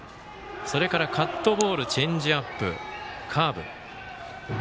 それからカットボールチェンジアップ、カーブ。